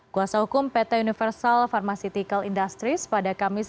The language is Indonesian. kuasa hukum pt universal pharmaceutical industries pada kamis